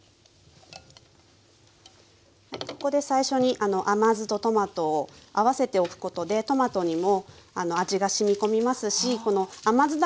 ここで最初に甘酢とトマトを合わせておくことでトマトにも味がしみ込みますし甘酢